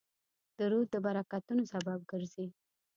درود د برکتونو سبب ګرځي